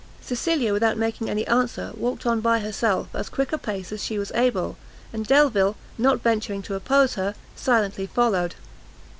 Cecilia, without making any answer, walked on by herself, as quick a pace as she was able; and Delvile, not venturing to oppose her, silently followed.